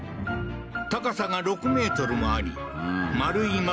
高さが６ｍもあり丸い